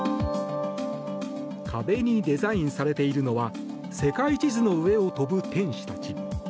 壁にデザインされているのは世界地図の上を飛ぶ天使たち。